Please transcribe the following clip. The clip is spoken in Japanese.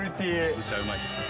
めっちゃうまいです。